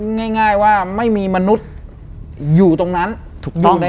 ง่ายว่าไม่มีมนุษย์อยู่ตรงนั้นถูกต้องไหม